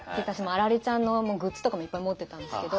アラレちゃんのグッズとかもいっぱい持ってたんですけど。